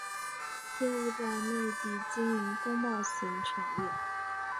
业务在内地经营工贸型产业。